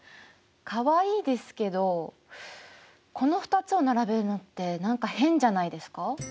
かわいいですけどこの２つを並べるのって何か変じゃないですか？